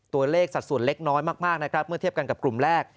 สัดส่วนเล็กน้อยมากนะครับเมื่อเทียบกันกับกลุ่มแรก